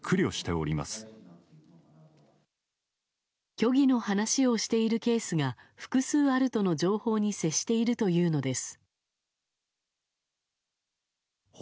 虚偽の話をしているケースが複数あるとの情報に接しているというのです。